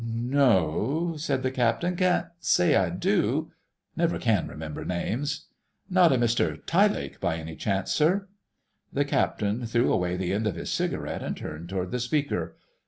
"No," said the Captain, "can't say I do. Never can remember names." "Not a Mr Tyelake by any chance, sir?" The Captain threw away the end of his cigarette and turned towards the speaker.